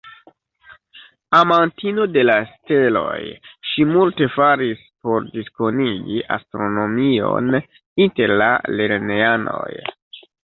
Amantino de la steloj, ŝi multe faris por diskonigi astronomion inter la lernejanoj.